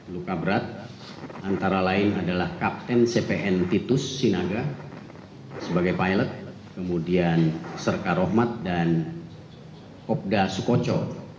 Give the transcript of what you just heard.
luka berat antara lain adalah kapten cpn titus sinaga sebagai pilot kemudian serka rohmat dan kopda sukoco